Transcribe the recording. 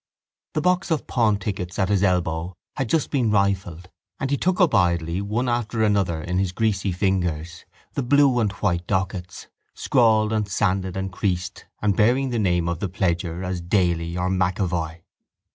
The box of pawn tickets at his elbow had just been rifled and he took up idly one after another in his greasy fingers the blue and white dockets, scrawled and sanded and creased and bearing the name of the pledger as Daly or MacEvoy.